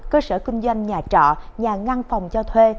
cơ sở kinh doanh nhà trọ nhà ngăn phòng cho thuê